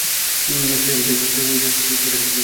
সে কিছুই বুঝে না!